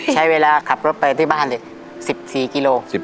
ใช้เวลาขับรถไปที่บ้านเลย๑๔กิโล